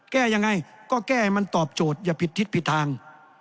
แก้ยังไงก็แก้ให้มันตอบโจทย์อย่าผิดทิศผิดทาง